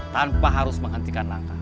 tanpa harus menghentikan langkah